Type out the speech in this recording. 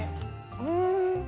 うん。